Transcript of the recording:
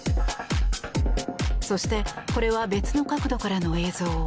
そしてこれは別の角度からの映像。